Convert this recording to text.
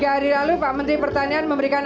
tiga hari lalu pak menteri pertanian memberikan